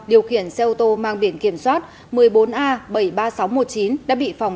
điều khiển xe ô tô mang biển kiểm soát một mươi bốn a bảy mươi ba nghìn sáu trăm một mươi chín đã bị phòng cảnh sát giao thông